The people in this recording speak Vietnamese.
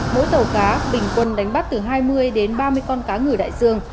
mỗi tàu cá bình quân đánh bắt từ hai mươi đến ba mươi con cá ngửi đại dương